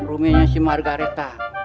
rumahnya si margaretha